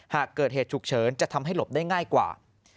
หากเกิดเหตุฉุกเฉินจะทำให้หลบได้ง่ายกว่า